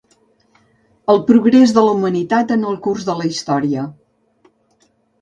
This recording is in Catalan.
El progrés de la humanitat en el curs de la història.